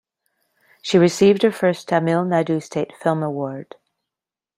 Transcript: She received her first Tamil Nadu State Film Award.